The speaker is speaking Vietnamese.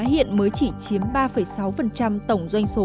hiện mới chỉ chiếm ba sáu tổng doanh số